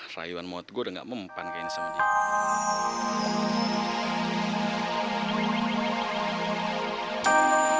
raiwan maut gua udah gak mempan kayaknya sama dia